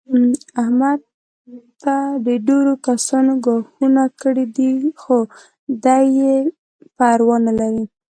احمد ته ډېرو کسانو ګواښونه کړي دي. خو دی یې پروا نه لري.